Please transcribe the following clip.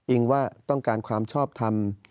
ว่าต้องการความชอบทำ